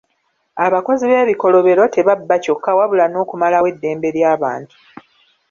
Abakozi b'ebikolobero tebabba kyokka wabula nokumalawo eddembe ly'abantu.